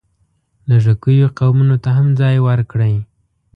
لږکیو قومونو ته هم ځای ورکړی.